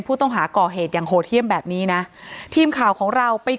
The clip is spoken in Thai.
ผู้ต้องหาก่อเหตุอย่างโหดเยี่ยมแบบนี้นะทีมข่าวของเราไป